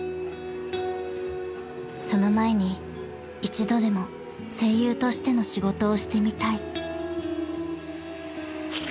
［その前に一度でも声優としての仕事をしてみたい］